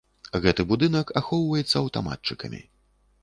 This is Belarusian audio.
Гэты будынак ахоўваецца аўтаматчыкамі.